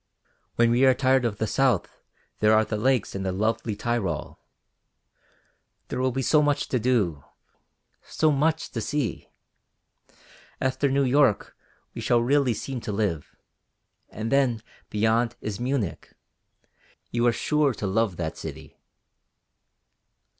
"When we are tired of the South, there are the lakes and that lovely Tyrol; there will be so much to do, so much to see. After New York, we shall really seem to live; and then, beyond, is Munich you are sure to love that city."